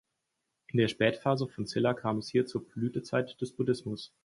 In der Spätphase von Silla kam es hier zur Blütezeit des Buddhismus.